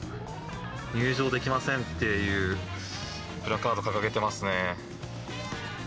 入場できませんっていうプラカードを掲げていますね。